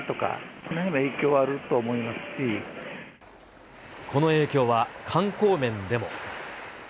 この影響は、観光面でも。